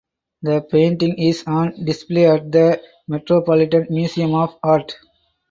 The painting is on display at the Metropolitan Museum of Art.